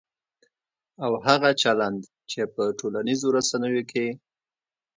او هغه چلند چې په ټولنیزو رسنیو کې